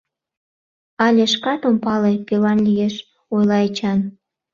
— Але шкат ом пале, кӧлан лиеш, — ойла Эчан.